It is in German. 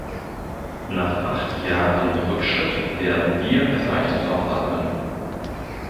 Nach acht Jahren Rückschritt werden wir erleichtert aufatmen.